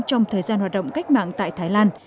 trong thời gian hoạt động cách mạng tại thái lan